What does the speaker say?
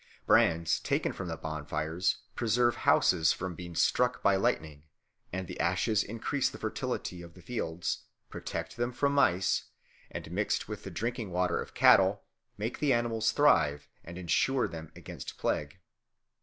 Brands taken from the bonfires preserve houses from being struck by lightning; and the ashes increase the fertility of the fields, protect them from mice, and mixed with the drinking water of cattle make the animals thrive and ensure them against plague.